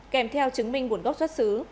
kèm theo chứng minh buồn gốc xuất xứ